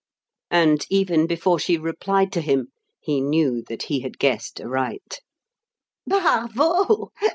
'" And even before she replied to him, he knew that he had guessed aright. "Bravo!"